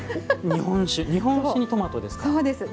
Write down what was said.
日本酒にトマトですか？